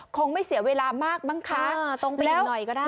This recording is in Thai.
คงไม่เสียเวลามากมั้งคะตรงไปอีกหน่อยก็ได้